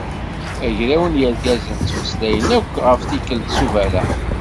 Agraw n yirgazen ttmeslayen akk ɣef tikelt s uberreḥ.